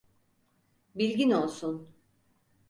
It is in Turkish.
Bilgin olsun.